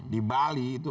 di bali itu